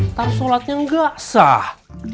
ntar sholatnya gak sah